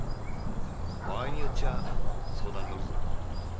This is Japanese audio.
場合によっちゃぁ相談に乗るぜ。